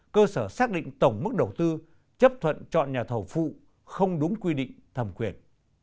cơ sở xác định tổng mức đầu tư chấp thuận chọn nhà thầu phụ không đúng quy định thẩm quyền